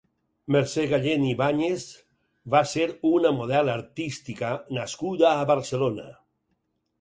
Mercè Gallén Ibáñez va ser una model artística nascuda a Barcelona.